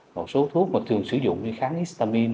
một số thuốc mà thường sử dụng như kháng histamine